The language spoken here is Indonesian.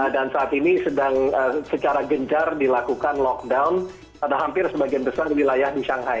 dan saat ini sedang secara gencar dilakukan lockdown pada hampir sebagian besar wilayah di shanghai